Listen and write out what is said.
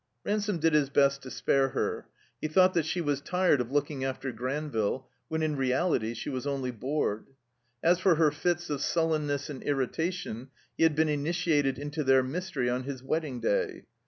Ransome did his best to spare her. He thought that she was tired of looking after Granville, when in reality she was only bored. As for her fits of sul lenness and irritation, he had been initiated into their mystery on his wedding day.